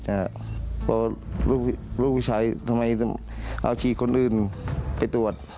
เพราะลูกพี่ชายทำไมเอาชี้คนอื่นไปตรวจ